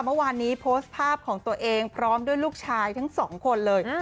เมื่อวานนี้โพสต์ภาพของตัวเองพร้อมด้วยลูกชายทั้งสองคนเลย